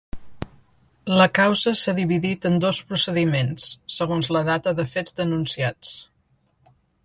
La causa s’ha dividit en dos procediments, segons la data de fets denunciats.